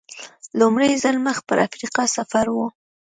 لومړی ځل مخ پر افریقا سفر و.